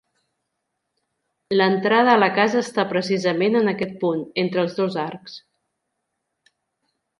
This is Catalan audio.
L'entrada a la casa està precisament en aquest punt, entre els dos arcs.